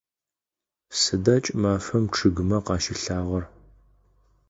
Сыда кӏымафэм чъыгымэ къащилъагъэр?